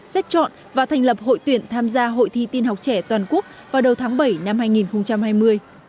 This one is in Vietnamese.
xét chọn và thành lập hội tuyển tham gia hội thi tiên học trẻ toàn quốc vào đầu tháng bảy năm hai nghìn hai mươi